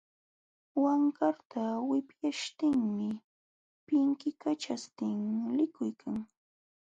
Wankarta wipyaśhtinmi pinkikaćhaśhtin likuykan.